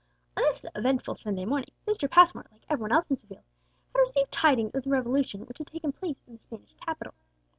On this eventful Sunday morning Mr. Passmore, like every one else in Seville, had received tidings of the revolution which had taken place in the Spanish capital.